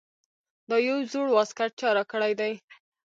دا یو زوړ واسکټ چا راکړے دے ـ